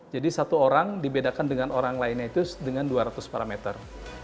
jadi satu orang dibedakan dengan orang lainnya itu dengan dua ratus parameter